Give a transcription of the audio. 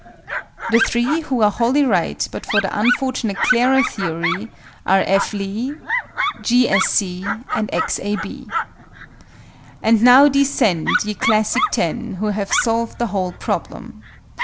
The 3, who are wholly right but for the unfortunate "Clara" theory, are F. LEE, G. S. C., and X. A. B. And now "descend, ye classic Ten!" who have solved the whole problem.